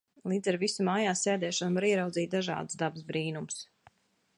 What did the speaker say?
Līdz ar visu mājās sēdēšanu var ieraudzīt dažādus dabas brīnumus.